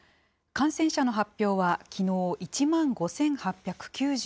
感染者の発表はきのう、１万５８９５人。